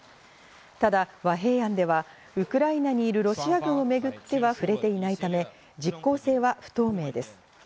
ただ和平案ではウクライナにいるロシア軍をめぐっては、触れていないため、実効性は不透明です。